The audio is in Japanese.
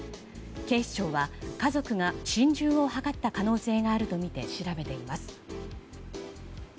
警視庁は家族が心中を図った可能性があるとみて調べています。